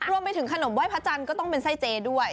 รวมไปถึงขนมไห้พระจันทร์ก็ต้องเป็นไส้เจด้วย